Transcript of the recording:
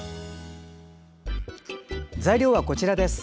材料はこちらです。